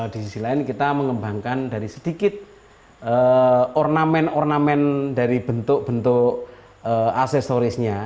di sisi lain kita mengembangkan dari sedikit ornamen ornamen dari bentuk bentuk aksesorisnya